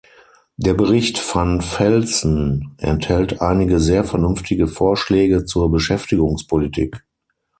Der Bericht van Velzen enthält einige sehr vernünftige Vorschläge zur Beschäftigungspolitik.